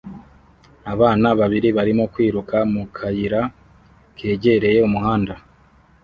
Abana babiri barimo kwiruka mu kayira kegereye umuhanda